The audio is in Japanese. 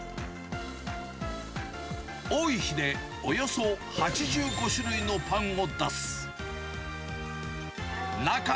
多い日でおよそ８５種類のパンを出す。